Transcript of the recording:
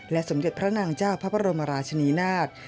สมเด็จพระนางเจ้าพระบรมราชนีนาฏ